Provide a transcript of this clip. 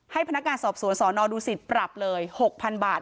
ให้พนักงานสอบสวนสอนอดูสิทธิ์ปรับเลย๖๐๐๐บาท